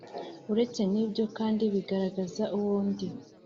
Uretse nibyo kandi bigaragaza uwondi.